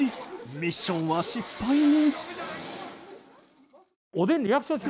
ミッションは失敗に。